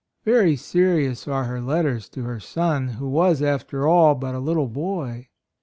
Very serious are her letters to her son, who was, after all, but a little boy.